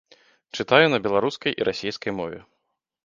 Чытаю на беларускай і расейскай мове.